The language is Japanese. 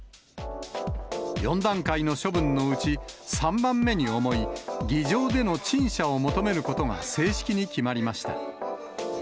４段階の処分のうち、３番目に重い議場での陳謝を求めることが正式に決まりました。